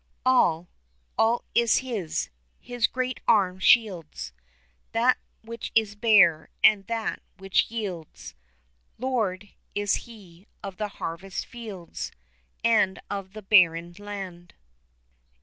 All, all is His His great arm shields That which is bare, and that which yields, Lord is He of the harvest fields, And of the barren land.